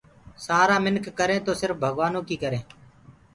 سآرآ منک ڪر تو سِرڦ ڀگوآنو ڪي ڪري۔